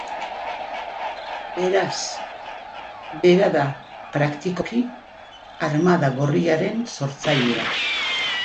Beraz, bera da praktikoki Armada Gorriaren sortzailea.